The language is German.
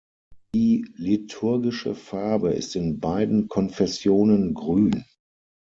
Die liturgische Farbe ist in beiden Konfessionen Grün.